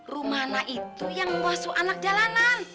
rumana itu yang wasu anak jalanan